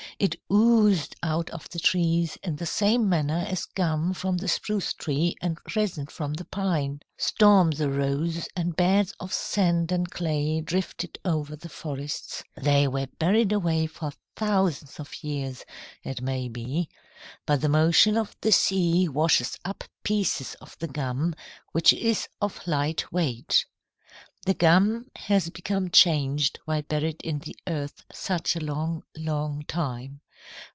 It oozed out of the trees in the same manner as gum from the spruce tree and resin from the pine. "Storms arose, and beds of sand and clay drifted over the forests. They were buried away for thousands of years, it may be. But the motion of the sea washes up pieces of the gum, which is of light weight. "The gum has become changed while buried in the earth such a long, long time.